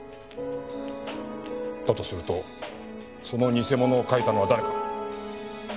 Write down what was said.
だとするとその偽物を書いたのは誰か？